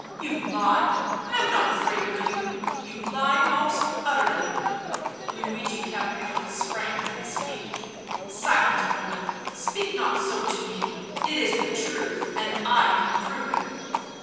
" You lie ... I am not afraid of you — you lie most utterly. ..." Luigi Caprarola sprang to his feet. u Silence, woman ! speak not so to me ! It is the truth, and I can prove it